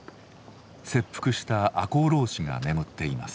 切腹した赤穂浪士が眠っています。